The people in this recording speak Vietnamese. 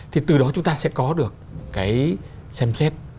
thì từ đó chúng ta sẽ có được cái xem xét